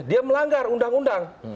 dia melanggar undang undang